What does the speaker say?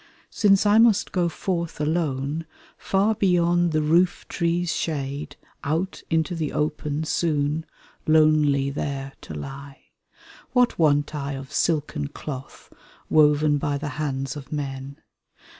Since I must go forth alone, far beyond the roof tree*s shade. Out into the open soon lonely there to lie. What want I of silken cloth woven by the hands of men?